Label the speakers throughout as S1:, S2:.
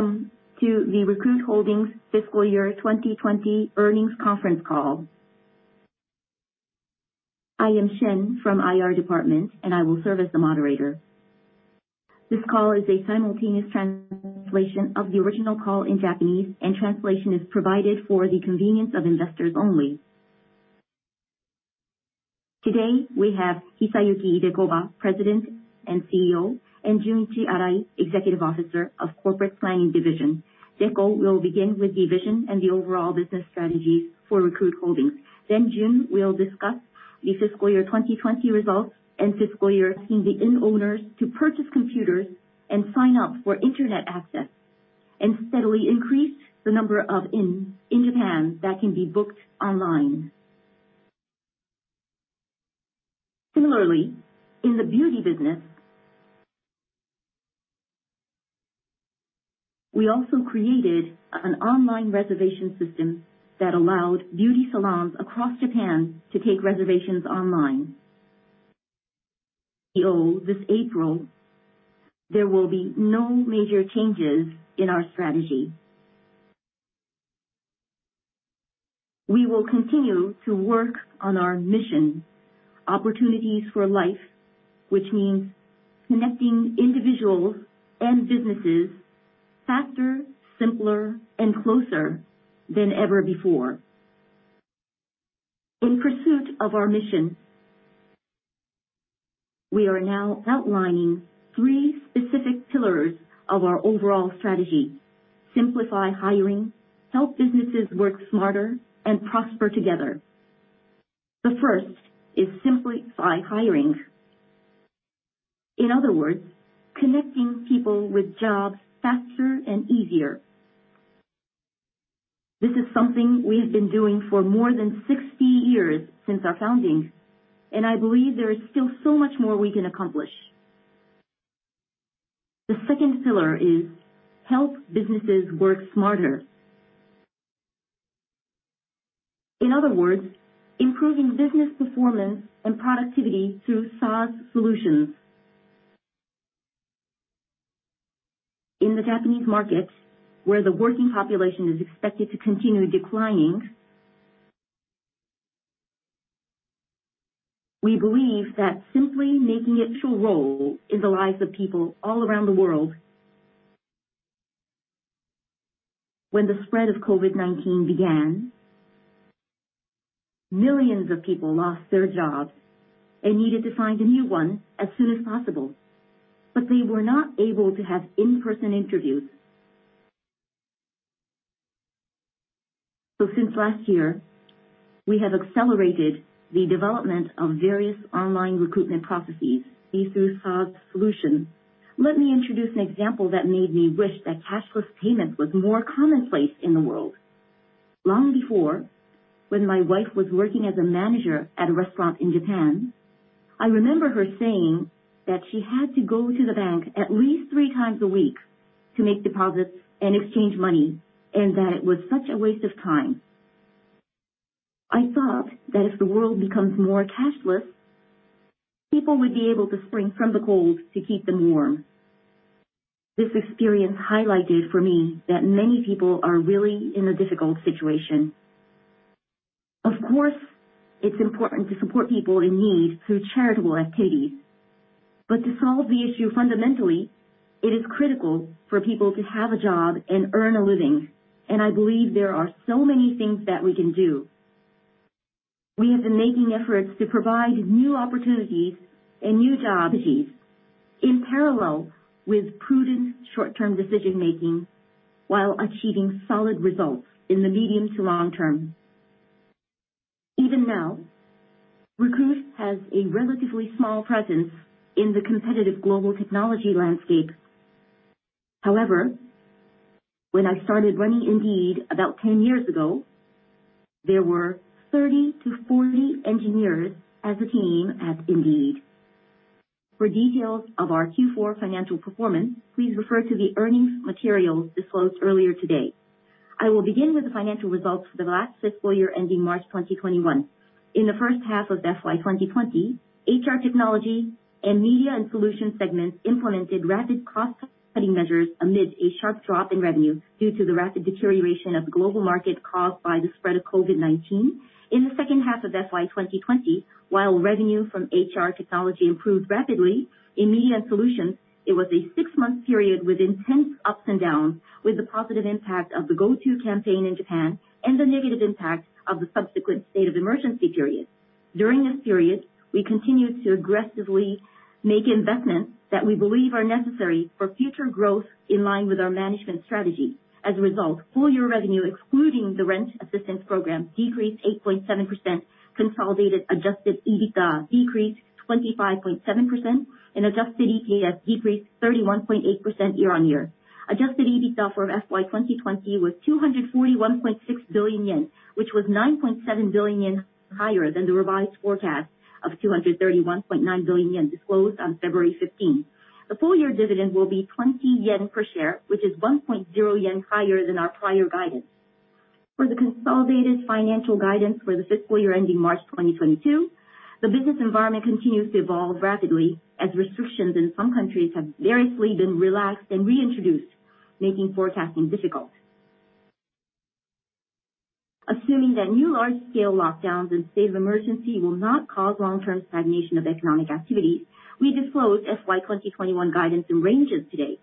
S1: Welcome to the Recruit Holdings Fiscal Year 2020 Earnings Conference Call. I am Shen from Investor Relations Department, and I will serve as the moderator. This call is a simultaneous translation of the original call in Japanese, and translation is provided for the convenience of investors only. Today, we have Hisayuki Idekoba, President and CEO, and Junichi Arai, Executive Officer of Corporate Planning Division. Idekoba will begin with the vision and the overall business strategies for Recruit Holdings. Jun will discuss the Fiscal Year 2020 results and fiscal year.
S2: In the inn owners to purchase computers and sign up for internet access, and steadily increased the number of inns in Japan that can be booked online. Similarly, in the beauty business, we also created an online reservation system that allowed beauty salons across Japan to take reservations online. This April, there will be no major changes in our strategy. We will continue to work on our mission, Opportunities for Life, which means connecting individuals and businesses faster, simpler, and closer than ever before. In pursuit of our mission, we are now outlining three specific pillars of our overall strategy: simplify hiring, help businesses work smarter, and prosper together. The first is simplify hiring. In other words, connecting people with jobs faster and easier. This is something we've been doing for more than 60 years since our founding, and I believe there is still so much more we can accomplish. The second pillar is help businesses work smarter. In other words, improving business performance and productivity through SaaS solutions. In the Japanese market, where the working population is expected to continue declining, we believe that simply making a true role in the lives of people all around the world. When the spread of COVID-19 began, millions of people lost their jobs and needed to find a new one as soon as possible, but they were not able to have in-person interviews. Since last year, we have accelerated the development of various online recruitment processes through SaaS solutions. Let me introduce an example that made me wish that cashless payment was more commonplace in the world. Long before, when my wife was working as a manager at a restaurant in Japan, I remember her saying that she had to go to the bank at least three times a week to make deposits and exchange money, and that it was such a waste of time. I thought that if the world becomes more cashless, people would be able to spring from the cold to keep them warm. This experience highlighted for me that many people are really in a difficult situation. Of course, it is important to support people in need through charitable activities. To solve the issue fundamentally, it is critical for people to have a job and earn a living, and I believe there are so many things that we can do. We have been making efforts to provide new opportunities and new jobs in parallel with prudent short-term decision-making while achieving solid results in the medium to long term. Even now, Recruit has a relatively small presence in the competitive global technology landscape. When I started running Indeed about 10 years ago, there were 30 to 40 engineers as a team at Indeed. For details of our Q4 financial performance, please refer to the earnings material disclosed earlier today.
S3: I will begin with the financial results for the last fiscal year ending March 2021. In the first half of FY 2020, HR Technology and Media & Solutions segments implemented rapid cost-cutting measures amid a sharp drop in revenue due to the rapid deterioration of the global market caused by the spread of COVID-19. In the second half of FY 2020, while revenue from HR Technology improved rapidly, in Media & Solutions, it was a six-month period with intense ups and downs with the positive impact of the Go To Campaign in Japan and the negative impact of the subsequent State of Emergency period. During this period, we continued to aggressively make investments that we believe are necessary for future growth in line with our management strategy. As a result, full-year revenue excluding the Housing Security Benefit decreased 8.7%, consolidated adjusted EBITDA increased 25.7%, and adjusted EPS decreased 31.8% year on year. Adjusted EBITDA for FY 2020 was 241.6 billion yen, which was 9.7 billion yen higher than the revised forecast of 231.9 billion yen disclosed on February 15th. The full-year dividend will be 20 yen per share, which is 1.0 yen higher than our prior guidance. For the consolidated financial guidance for the fiscal year ending March 2022, the business environment continues to evolve rapidly as restrictions in some countries have variously been relaxed and reintroduced, making forecasting difficult. Assuming that new large-scale lockdowns and state of emergency will not cause long-term stagnation of economic activity, we disclose FY 2021 guidance in ranges today.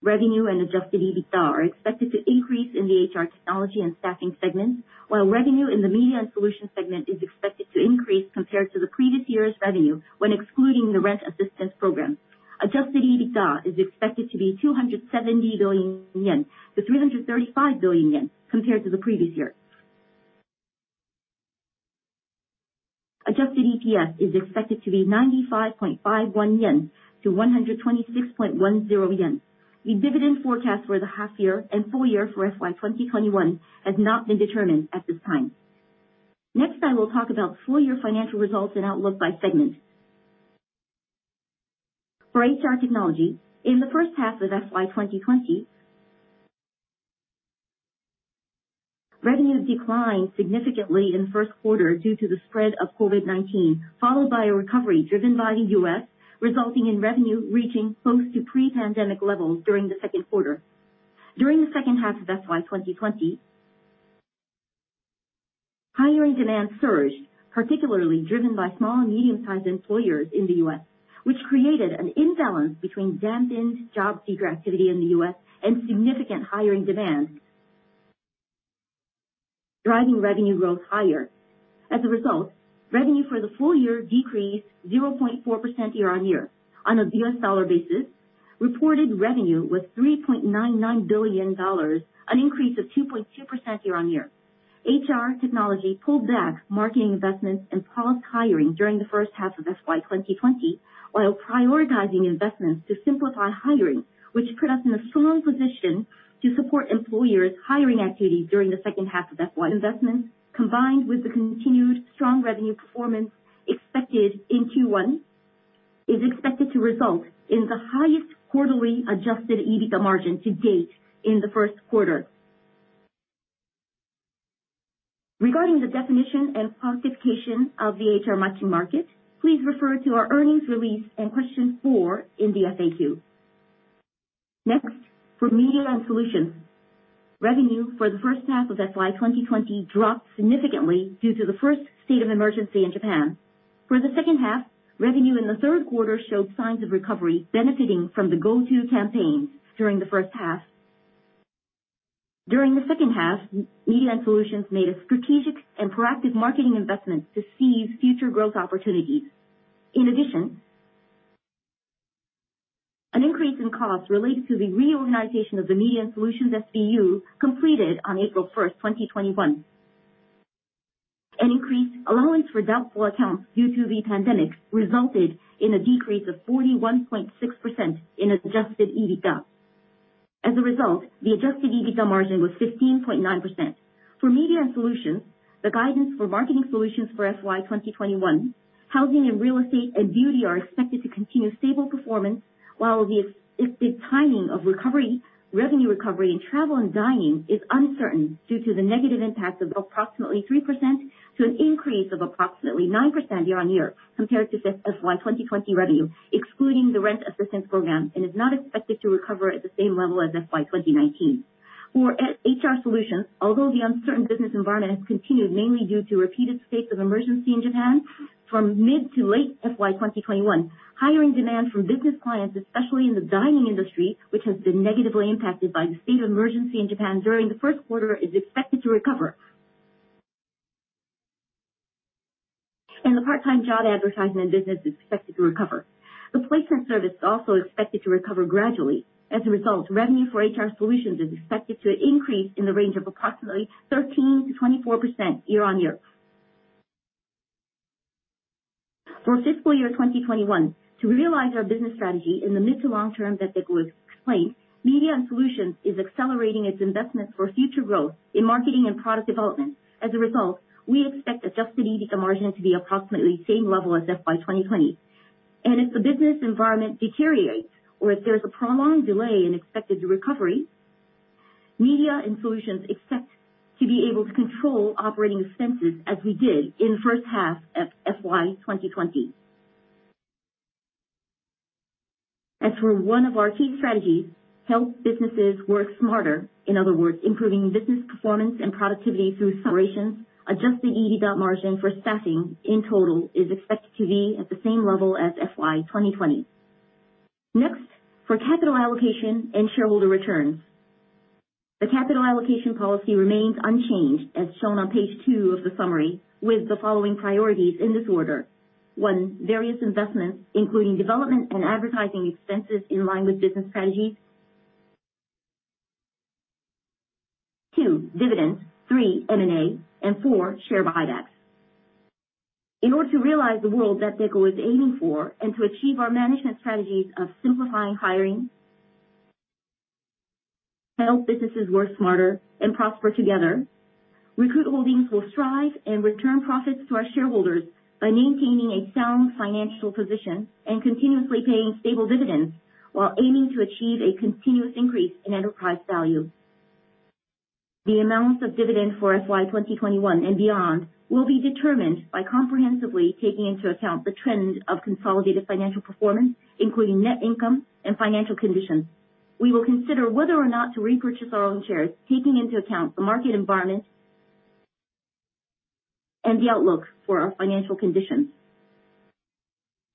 S3: Revenue and adjusted EBITDA are expected to increase in the HR Technology and Staffing segment, while revenue in the Media & Solutions segment is expected to increase compared to the previous year's revenue when excluding the rent assistance program. Adjusted EBITDA is expected to be 270 billion yen to 335 billion yen compared to the previous year. Adjusted EPS is expected to be 95.51 yen to 126.10 yen. The dividend forecast for the half year and full year for FY 2021 has not been determined at this time. Next, I will talk about full year financial results and outlook by segment. For HR Technology, in the first half of FY 2020, revenue declined significantly in the first quarter due to the spread of COVID-19, followed by a recovery driven by the U.S., resulting in revenue reaching close to pre-pandemic levels during the second quarter. During the second half of FY 2020, hiring demand surged, particularly driven by small and medium-sized employers in the U.S., which created an imbalance between dampened job seeker activity in the U.S. and significant hiring demand, driving revenue growth higher. As a result, revenue for the full year decreased 0.4% year-on-year. On a US dollar basis, reported revenue was $3.99 billion, an increase of 2.2% year-on-year. HR Technology pulled back marketing investments and paused hiring during the first half of FY 2020 while prioritizing investments to simplify hiring, which put us in a strong position to support employers' hiring activities during the second half of FY. Investment, combined with the continued strong revenue performance expected in Q1, is expected to result in the highest quarterly adjusted EBITDA margin to date in the first quarter. Regarding the definition and classification of the HR market, please refer to our earnings release and question four in the FAQ. Next, for Media & Solutions. Revenue for the first half of FY 2020 dropped significantly due to the first state of emergency in Japan. For the second half, revenue in the third quarter showed signs of recovery, benefiting from the Go To Travel Campaign during the first half. During the second half, Media & Solutions made strategic and proactive marketing investments to seize future growth opportunities. In addition, an increase in costs related to the reorganization of the Media & Solutions SBU completed on April 1st, 2021. An increased allowance for doubtful accounts due to the pandemic resulted in a decrease of 41.6% in adjusted EBITDA. As a result, the adjusted EBITDA margin was 15.9%. For Media & Solutions, the guidance for Marketing Solutions for FY 2021, housing and real estate, and beauty are expected to continue stable performance, while the timing of revenue recovery in travel and dining is uncertain due to the negative impact of approximately 3% to an increase of approximately 9% year-on-year compared to FY 2020 revenue, excluding the rent assistance program, and is not expected to recover at the same level as FY 2019. For HR Solutions, although the uncertain business environment continues, mainly due to repeated states of emergency in Japan, from mid to late FY 2021, hiring demand from business clients, especially in the dining industry, which has been negatively impacted by the state of emergency in Japan during the first quarter, is expected to recover. The part-time job advertising business is expected to recover. The placement service is also expected to recover gradually. As a result, revenue for HR Solutions is expected to increase in the range of approximately 13%-24% year-on-year. For FY 2021, to realize our business strategy in the mid to long term that Idekoba explained, Media & Solutions is accelerating its investment for future growth in marketing and product development. As a result, we expect adjusted EBITDA margin to be approximately the same level as FY 2020. If the business environment deteriorates or if there's a prolonged delay in expected recovery, Media & Solutions expects to be able to control operating expenses as we did in the first half of FY 2020. As for one of our key strategies, help businesses work smarter, in other words, improving business performance and productivity through acceleration, adjusted EBITDA margin for Staffing in total is expected to be at the same level as FY 2020. Next, for capital allocation and shareholder returns. The capital allocation policy remains unchanged as shown on page two of the summary with the following priorities in this order: one, various investments, including development and advertising expenses in line with business strategies. Two, dividends. Three, M&A. four, share buybacks. In order to realize the world that Rikurūto is aiming for and to achieve our management strategies of simplifying hiring, help businesses work smarter, and prosper together, Recruit Holdings will strive and return profits to our shareholders by maintaining a sound financial position and continuously paying stable dividends while aiming to achieve a continuous increase in enterprise value. The amount of dividend for FY 2021 and beyond will be determined by comprehensively taking into account the trends of consolidated financial performance, including net income and financial conditions. We will consider whether or not to repurchase our own shares, taking into account the market environment and the outlook for our financial condition.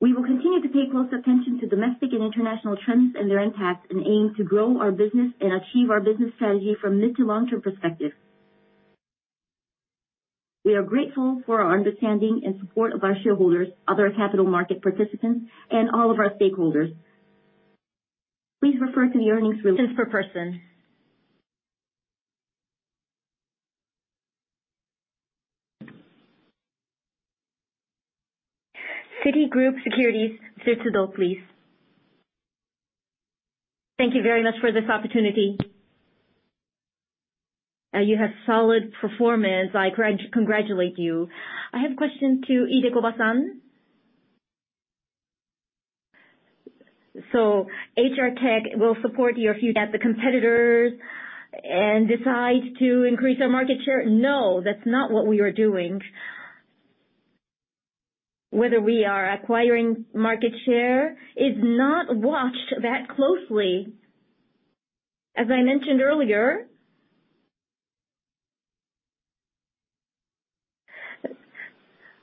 S3: We will continue to pay close attention to domestic and international trends and their impact, and aim to grow our business and achieve our business strategy from mid- to long-term perspective. We are grateful for our understanding and support of our shareholders, other capital market participants, and all of our stakeholders. Please refer to the earnings release for further.
S1: Citigroup Securities, please.
S4: Thank you very much for this opportunity. You had solid performance. I congratulate you. I have a question to Idekoba-san. HR Tech will support you against the competitors and decide to increase the market share?
S2: No, that's not what we are doing. Whether we are acquiring market share is not watched that closely. As I mentioned earlier,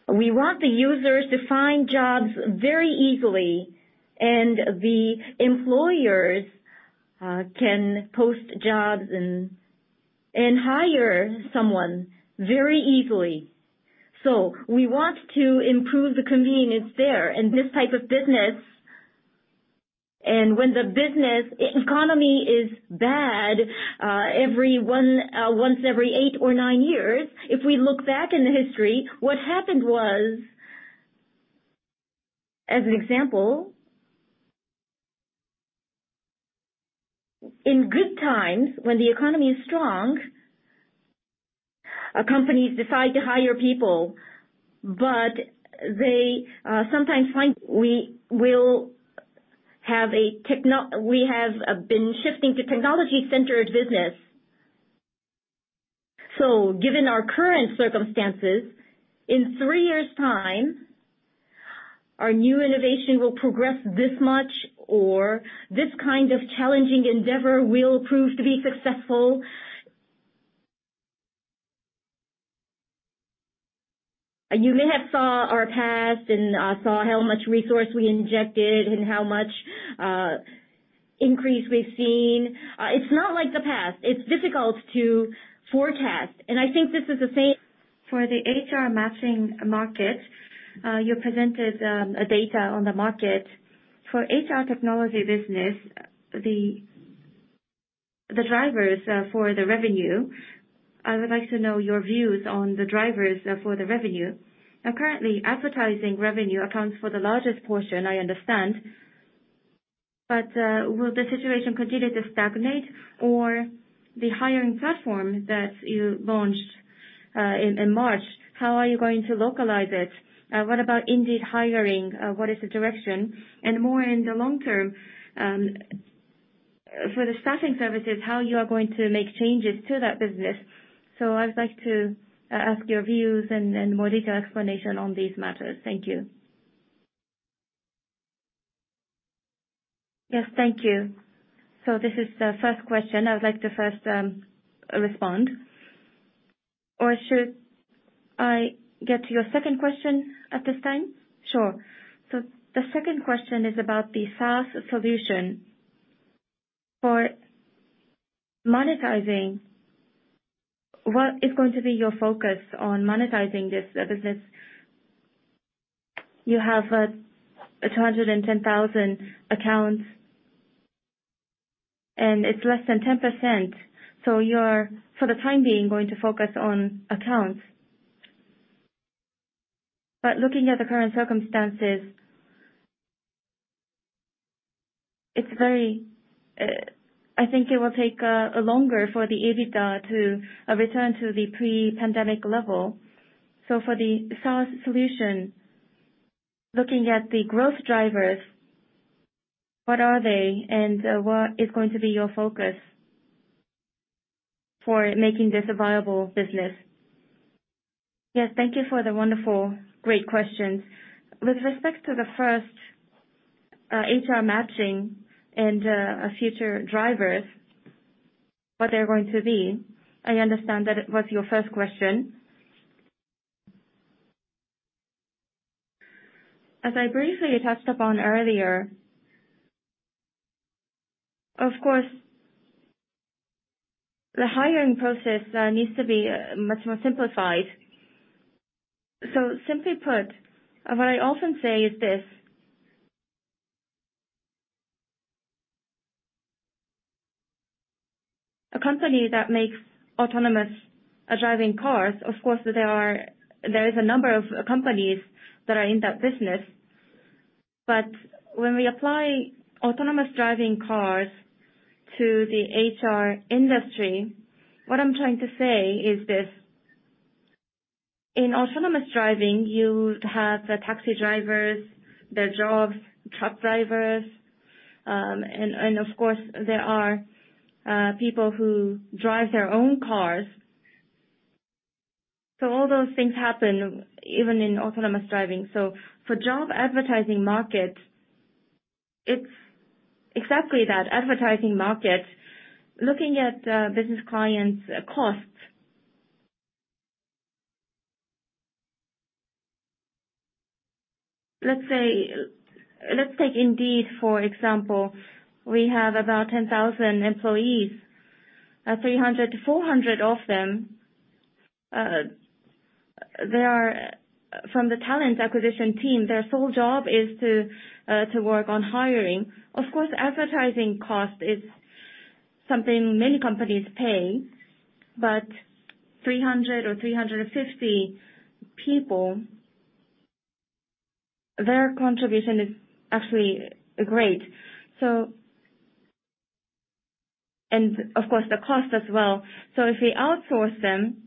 S2: we want the users to find jobs very easily, and the employers can post jobs and hire someone very easily. We want to improve the convenience there in this type of business. When the business economy is bad once every eight or nine years, if we look back in history, what happened was, as an example, in good times when the economy is strong, companies decide to hire people. We have been shifting to technology-centered business. Given our current circumstances, in three years' time, our new innovation will progress this much or this kind of challenging endeavor will prove to be successful. You may have seen our past and seen how much resource we injected and how much increase we've seen. It's not like the past. It's difficult to forecast.
S4: I think this is the same for the HR matching market. You presented data on the market for HR Technology business, the drivers for the revenue. I would like to know your views on the drivers for the revenue. Currently, advertising revenue accounts for the largest portion, I understand. Will the situation continue to stagnate? The Hiring Platform that you launched in March, how are you going to localize it? What about Indeed Hiring? What is the direction? More in the long term, for the Staffing services, how you are going to make changes to that business. I'd like to ask your views and more detailed explanation on these matters. Thank you.
S2: Yes. Thank you. This is the first question. I'd like to first respond. Should I get to your second question at this time?
S4: Sure. The second question is about the SaaS solution for monetizing. What is going to be your focus on monetizing this business? You have 110,000 accounts, and it's less than 10%. You are, for the time being, going to focus on accounts. Looking at the current circumstances, I think it will take longer for the EBITDA to return to the pre-pandemic level. For the SaaS solution, looking at the growth drivers, what are they and what is going to be your focus for making this a viable business?
S2: Yes. Thank you for the wonderful, great questions. With respect to the first, HR matching and future drivers, what they're going to be, I understand that it was your first question. As I briefly touched upon earlier, of course, the hiring process needs to be much more simplified. Simply put, as I often say, is this. A company that makes autonomous driving cars, of course, there's a number of companies that are in that business. When we apply autonomous driving cars to the HR industry, what I'm trying to say is this, in autonomous driving, you have the taxi drivers, the jobs, truck drivers, and of course, there are people who drive their own cars. All those things happen even in autonomous driving. For job advertising market, it's exactly that, advertising market, looking at business clients' costs. Let's take Indeed, for example. We have about 10,000 employees. 300 to 400 of them, they are from the talent acquisition team. Their sole job is to work on hiring. Of course, advertising cost, it's something many companies pay, but 300 or 350 people, their contribution is actually great, and of course, the cost as well. If we outsource them,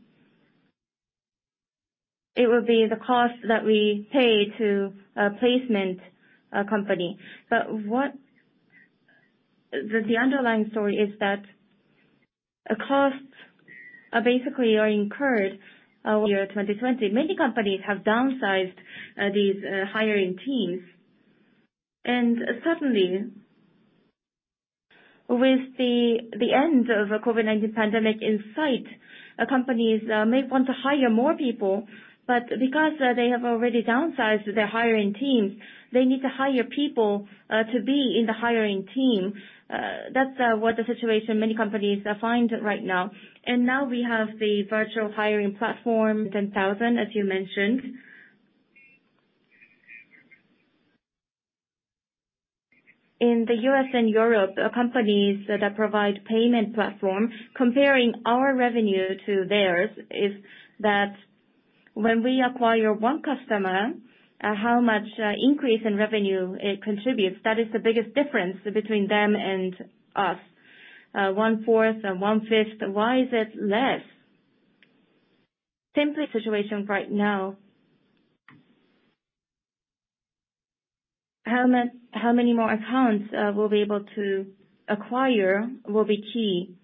S2: it would be the cost that we pay to a placement company. The underlying story is that the costs are basically incurred. Year 2020, many companies have downsized these hiring teams. Suddenly, with the end of COVID-19 pandemic in sight, companies may want to hire more people, but because they have already downsized their hiring teams, they need to hire people to be in the hiring team. That's what the situation many companies find right now. Now we have the Indeed Hiring Platform, 10,000, as you mentioned. In the U.S. and Europe, companies that provide payment platforms, comparing our revenue to theirs is that when we acquire one customer, how much increase in revenue it contributes. That is the biggest difference between them and us. One fourth, one fifth. Why is it less? Similar situation right now. How many more accounts we'll be able to acquire will be key.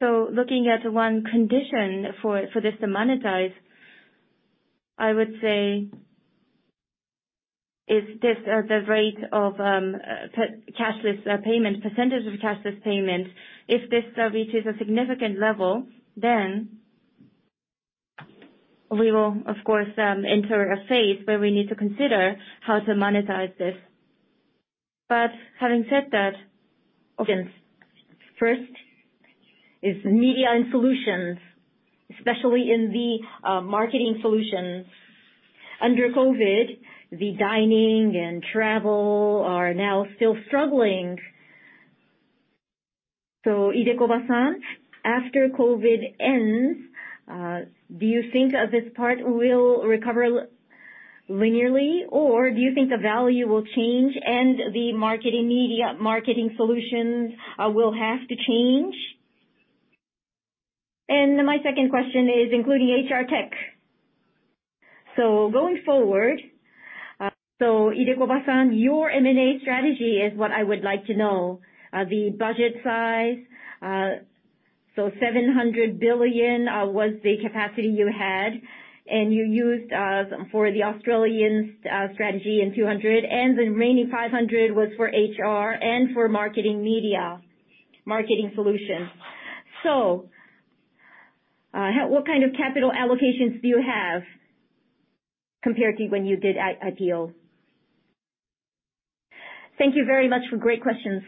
S2: Looking at one condition for this to monetize, I would say is this the rate of cashless payments, percentage of cashless payment, if this reaches a significant level, then we will, of course, enter a phase where we need to consider how to monetize this. Having said that, again, first is Media & Solutions, especially in the Marketing Solutions. Under COVID, the dining and travel are now still struggling.
S5: Idekoba-san, after COVID ends, do you think this part will recover linearly, or do you think the value will change and the marketing media, Marketing Solutions will have to change? My second question is including HR tech. Going forward, Idekoba-san, your M&A strategy is what I would like to know. The budget size, 700 billion was the capacity you had, and you used for the Australia strategy and 200 billion, and the remaining 500 billion was for HR and for marketing media, Marketing Solutions. What kind of capital allocations do you have compared to when you did IPO?
S2: Thank you very much for great questions.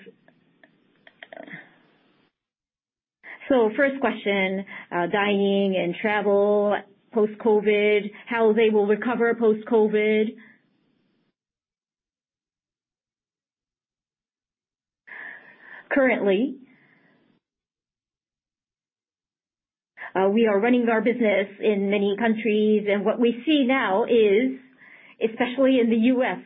S2: First question, dining and travel post-COVID, how they will recover post-COVID. Currently, we are running our business in many countries, and what we see now is, especially in the U.S.,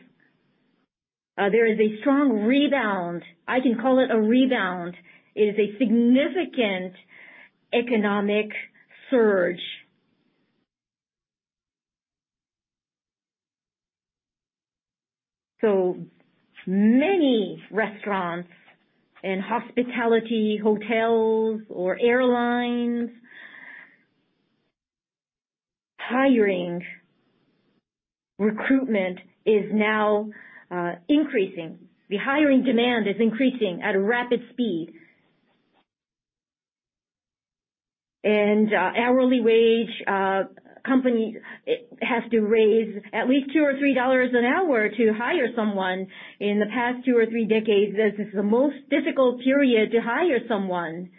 S2: there is a strong rebound. I can call it a rebound. It is a significant economic surge. Many restaurants and hospitality hotels or airlines hiring, recruitment is now increasing. The hiring demand is increasing at a rapid speed. Hourly wage, companies have to raise at least $2 or $3 an hour to hire someone. In the past two or three decades, this is the most difficult period to hire someone.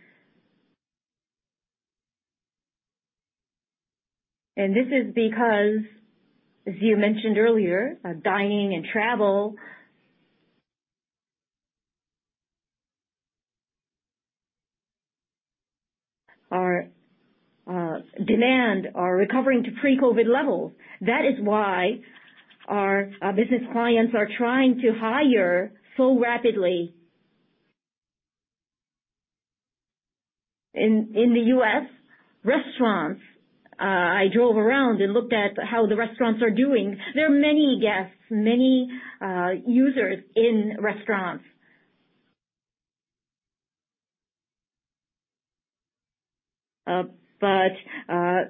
S2: This is because, as you mentioned earlier, dining and travel. Are demand are recovering to pre-COVID-19 levels. That is why our business clients are trying to hire so rapidly. In the U.S., restaurants, I drove around and looked at how the restaurants are doing. There are many guests, many users in restaurants. There are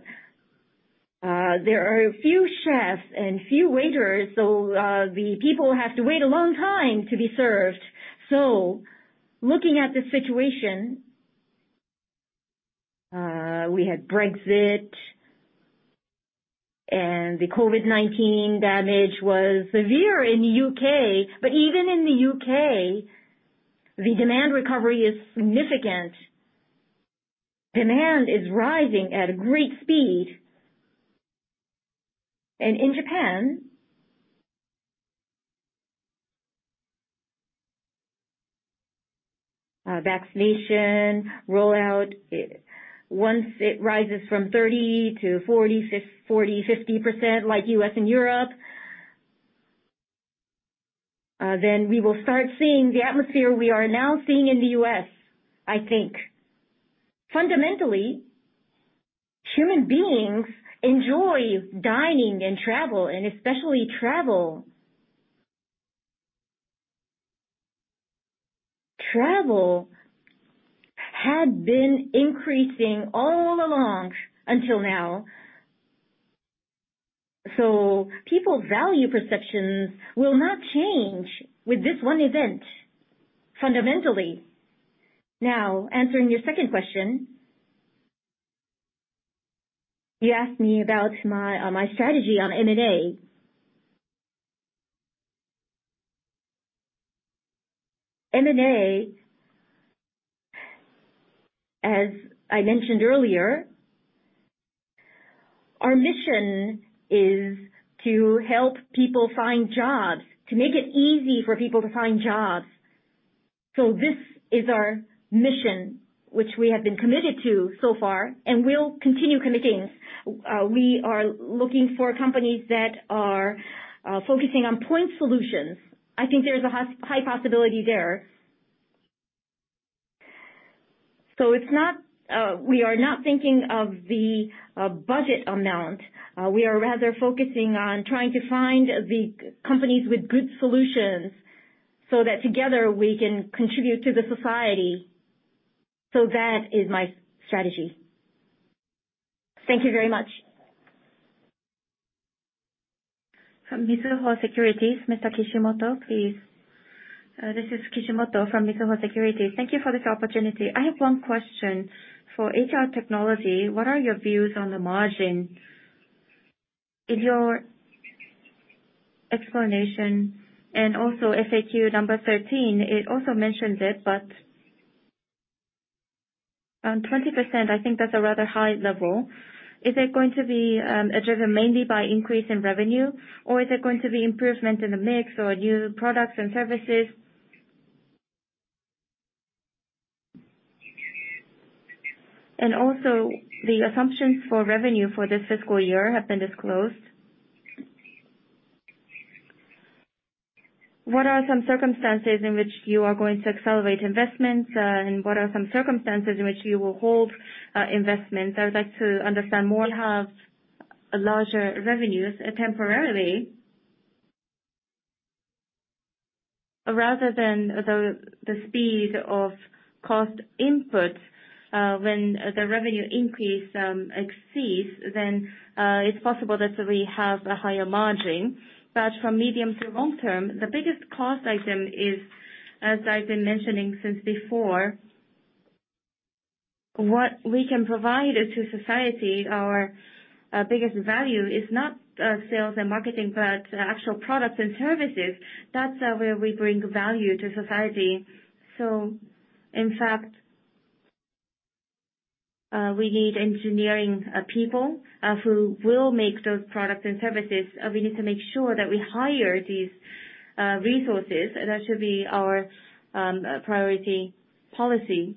S2: a few chefs and few waiters, so the people have to wait a long time to be served. Looking at the situation, we had Brexit, and the COVID-19 damage was severe in the U.K., even in the U.K., the demand recovery is significant. Demand is rising at a great speed. In Japan, vaccination rollout, once it rises from 30% to 40%, 50% like U.S. and Europe, then we will start seeing the atmosphere we are now seeing in the U.S., I think. Fundamentally, human beings enjoy dining and travel, and especially travel. Travel had been increasing all along until now. People's value perceptions will not change with this one event, fundamentally. Now answering your second question, you asked me about my strategy on M&A. M&A, as I mentioned earlier, our mission is to help people find jobs, to make it easy for people to find jobs. This is our mission, which we have been committed to so far and will continue committing. We are looking for companies that are focusing on point solutions. I think there's a high possibility there. We are not thinking of the budget amount. We are rather focusing on trying to find the companies with good solutions so that together we can contribute to the society. That is my strategy. Thank you very much.
S1: From Mizuho Securities, Akitomo Kishimoto, please.
S6: This is Kishimoto from Mizuho Securities. Thank you for this opportunity. I have one question. For HR Technology, what are your views on the margin? In your explanation and also FAQ number 13, it also mentions it, but 20%, I think that's a rather high level. Is it going to be driven mainly by increase in revenue, or is it going to be improvement in the mix or new products and services? The assumptions for revenue for this fiscal year have been disclosed. What are some circumstances in which you are going to accelerate investments, and what are some circumstances in which you will hold investments? I'd like to understand more.
S2: One has larger revenues temporarily rather than the speed of cost input. When the revenue increase exceeds, it's possible that we have a higher margin. For medium to long term, the biggest cost item is, as I've been mentioning since before, what we can provide to society. Our biggest value is not sales and marketing, but actual products and services. That's where we bring value to society. In fact, we need engineering people who will make those products and services. We need to make sure that we hire these resources. That should be our priority policy.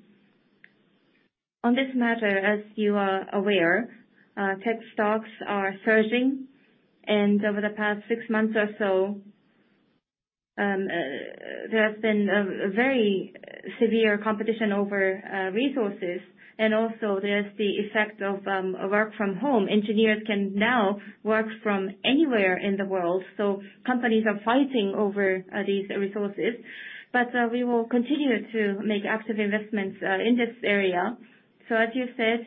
S2: On this matter, as you are aware, tech stocks are surging, and over the past six months or so, there has been a very severe competition over resources, and also there's the effect of work from home. Engineers can now work from anywhere in the world. Companies are fighting over these resources. We will continue to make active investments in this area. As you said,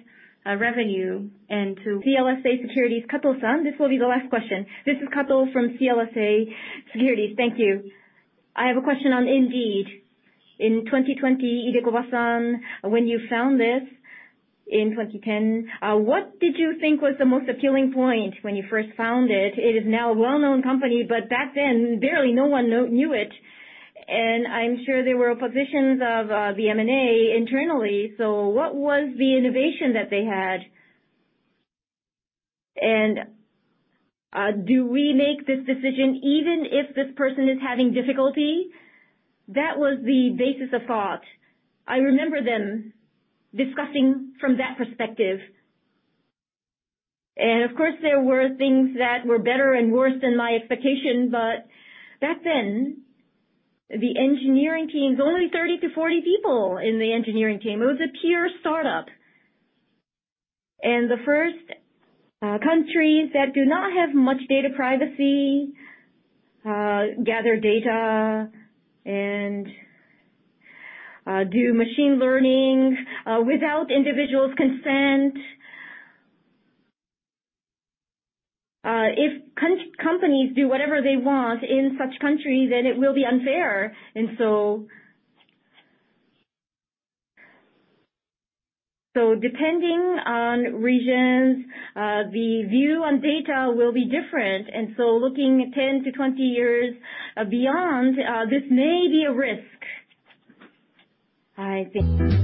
S2: revenue and to-
S1: CLSA Securities, Kato-san, this will be the last question.
S7: This is Kato from CLSA Securities. Thank you. I have a question on Indeed. In 2020, Idekoba-san, when you found this in 2010, what did you think was the most appealing point when you first found it? It is now a well-known company, but back then, barely no one knew it, and I'm sure there were oppositions of the M&A internally. What was the innovation that they had? Do we make this decision even if this person is having difficulty?
S2: That was the basis of thought. I remember them discussing from that perspective. Of course, there were things that were better and worse than my expectation. Back then, the engineering team is only 30 to 40 people in the engineering team. It was a pure startup. The first countries that do not have much data privacy gather data and do machine learning without individual consent. If companies do whatever they want in such countries, then it will be unfair. Depending on regions, the view on data will be different. Looking 10 to 20 years beyond, this may be a risk. I think